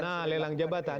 nah lelang jabatan